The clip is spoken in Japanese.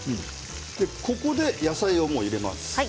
そこで、野菜を入れます。